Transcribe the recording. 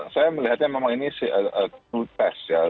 saya melihatnya memang ini know test ya